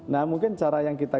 nah mungkin cara yang kita